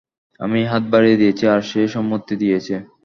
আমি হাত বাড়িয়ে দিয়েছি আর সে সম্মতি দিয়েছে।